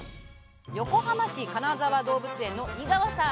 横浜市金沢動物園の井川さん